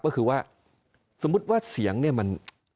ก็คือว่าสมมุติว่าเสียงเนี่ยมัน